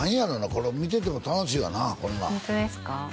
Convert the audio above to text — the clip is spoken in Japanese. これ見てても楽しいわなこんなんホントですか？